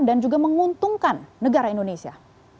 dan juga menguntungkan negara indonesia